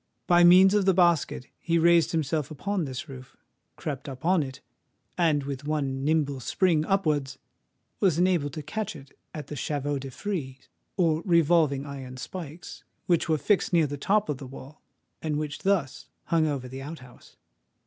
By means of the basket, he raised himself upon this roof—crept up on it—and with one nimble spring upwards was enabled to catch at the chevaux de frise, or revolving iron spikes, which were fixed near the top of the wall, and which thus hung over the out house.